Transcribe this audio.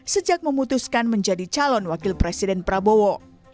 sejak memutuskan menjadi calon wakil presiden prabowo